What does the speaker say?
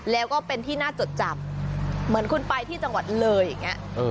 แล้วก็เป็นที่น่าจดจำเหมือนคุณไปที่จังหวัดเลยอย่างนี้